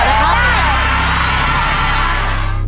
ตัวเลือกที่สี่๑๐เส้น